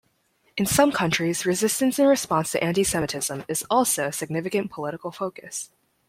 In some countries, resistance in response to anti-Semitism is also a significant political focus.